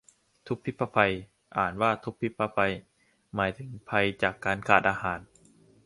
ทุพภิพภัย อ่านว่าทุบพิบพะไพ หมายถึงภัยจาการขาดอาหาร